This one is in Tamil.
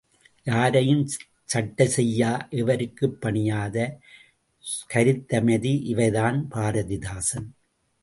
யாரையும் சட்டை செய்யா, எவருக்கும் பணியாத கருத்தமைதி இவைதான் பாரதிதாசன்.